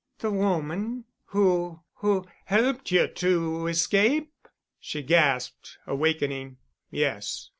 "The woman—who—who—helped you to escape?" she gasped, awakening. "Yes.